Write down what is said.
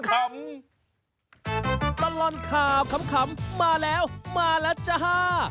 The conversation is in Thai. ตลอดข่าวขำมาแล้วมาแล้วจ้า